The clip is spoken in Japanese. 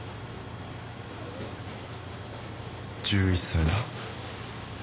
１１歳だ。